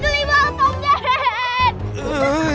om jani tolong om jani